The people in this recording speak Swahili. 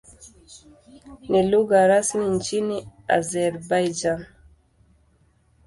Ni lugha rasmi nchini Azerbaijan.